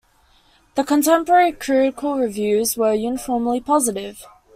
The contemporary critical reviews were uniformly positive.